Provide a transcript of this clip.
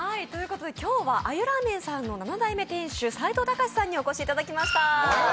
今日は鮎ラーメンさんの七代目店主斎藤敬さんにお越しいただきました。